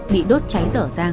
bị đốt cháy rở ràng